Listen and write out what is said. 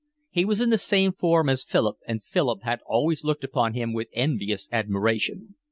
He was in the same form as Philip, and Philip had always looked upon him with envious admiration.